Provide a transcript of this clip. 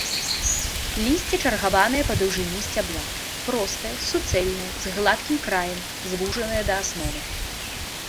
Лісце чаргаванае па даўжыні сцябла, простае, суцэльнае, з гладкім краем, звужанае да асновы.